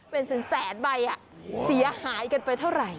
เป็นแสนใบเสียหายกันไปเท่าไหร่